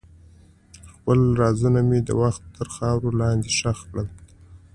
خپل رازونه مې د وخت تر خاورو لاندې ښخ کړل.